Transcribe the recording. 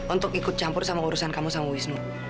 untuk ikut campur sama urusan kamu sama wisnu